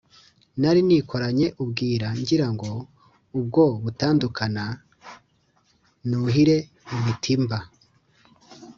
nari nikoranye ubwira ngira ngo ubwo butandukana, nuhire imitimba.